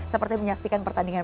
seperti menyaksikan pertandingan